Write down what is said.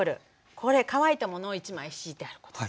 これ乾いたものを１枚敷いてあることです。